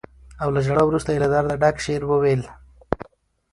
او له ژړا وروسته یې له درده ډک شعر وويلې.